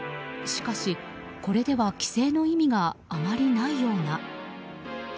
しかし、これでは規制の意味があまりないような。